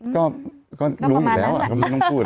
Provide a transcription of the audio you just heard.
ก็รู้อยู่แล้วก็ไม่ต้องพูด